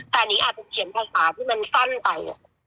แต่นิงอาจจะเขียนภาษาที่มันสั้นไป